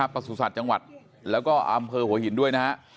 ประสุทธิ์สัตว์จังหวัดแล้วก็อำเภอหัวหินด้วย